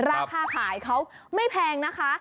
ราคาขายเขาไม่แพงนะคะ